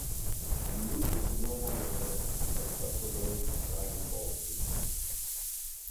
The movies were no longer aired, except for those of "Dragon Ball Z".